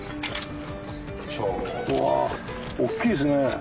うわ大っきいですね